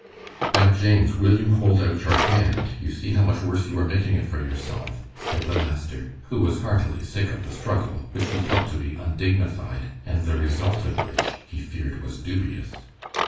"Now, James, will you hold out your hand? You see how much worse you are making it for yourself," said the master, who was heartily sick of the struggle, which he felt to be undignified, and the result of which he feared was dubious.